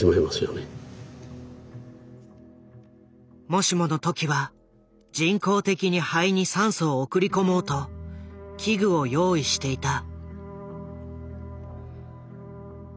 もしもの時は人工的に肺に酸素を送り込もうと器具を用意していた。